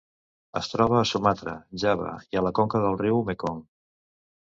Es troba a Sumatra, Java i a la conca del riu Mekong.